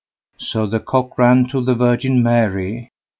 So the Cock ran to the Virgin Mary.